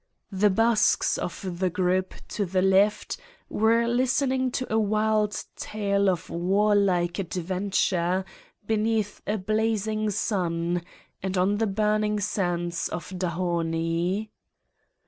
The Basques of the group to the left were listening to a wild tale of warlike adventure beneath a blazing sun and on the burning sands of Dahomey.